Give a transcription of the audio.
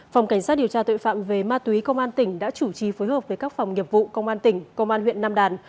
phòng cảnh sát điều tra tội phạm về ma túy công an tỉnh đã chủ trì phối hợp với các phòng nghiệp vụ công an tỉnh công an huyện nam đàn